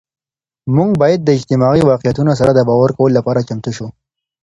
مونږ باید د اجتماعي واقعیتونو سره د باور کولو لپاره چمتو سو.